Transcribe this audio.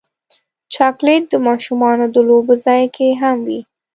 چاکلېټ د ماشومانو د لوبو ځای کې هم وي.